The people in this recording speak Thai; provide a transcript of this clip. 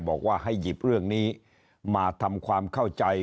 บอกว่าให้หยิบเรื่องนี้มาทำความเข้าใจ